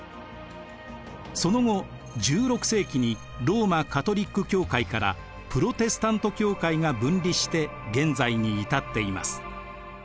その後１６世紀にローマ・カトリック教会からプロテスタント教会が分離して現在に至っています。